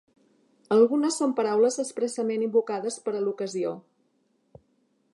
Algunes són paraules expressament invocades per a l'ocasió.